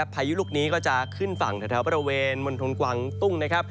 พายุลูกนี้ก็จะขึ้นฝั่งแถวบริเวณมณฑลกวางตุ้งนะครับ